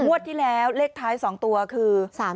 มวดที่แล้วเลขท้าย๒ตัวคือ